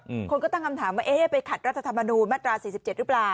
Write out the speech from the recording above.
อืมคนก็ตั้งคำถามว่าเอ๊ะไปขัดรัฐธรรมนูญมาตราสี่สิบเจ็ดหรือเปล่า